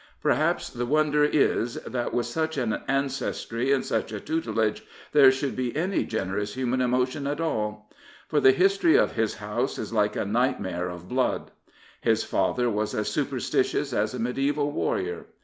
Perhaps the wonder is that, with such an ancestry and such a tutelage, there should be any generous human emotion at all. For the history of his house is like a nightmare of 260 The Tsar blood. His father was as superstitious as a mediaeval warrior.